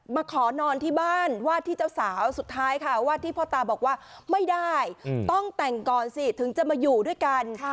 มาขอนอนที่บ้านวาดที่เจ้าสาวสุดท้ายค่ะวาดที่พ่อตาบอกว่าไม่ได้ต้องแต่งก่อนสิถึงจะมาอยู่ด้วยกัน